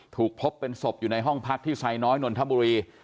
ถูกพบเป็นศพอยู่ในห้องพักที่ไซน้อยนนทบุรี